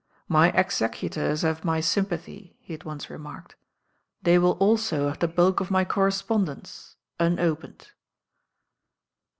"My executors have my sympathy," he had once remarked; "they will also have the bulk of my correspondence— un opened."